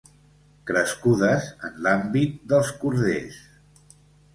Crescudes en l'àmbit dels corders.